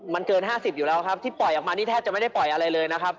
มันเกิน๕๐อยู่แล้วครับที่ปล่อยออกมานี่แทบจะไม่ได้ปล่อยอะไรเลยนะครับ